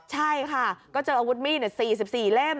ใช่ค่ะก็เจออาวุธมีด๔๔เล่ม